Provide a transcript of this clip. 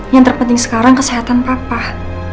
yang terpenting sekarang kesehatan papah